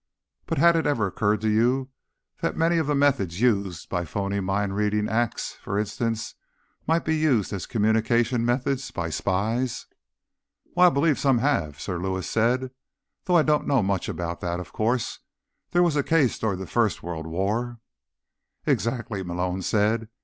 But had it ever occurred to you that many of the methods used by phony mind reading acts, for instance, might be used as communication methods by spies?" "Why, I believe some have been," Sir Lewis said. "Though I don't know much about that, of course; there was a case during the First World War—" "Exactly," Malone said.